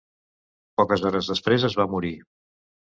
Poques hores després es va morir.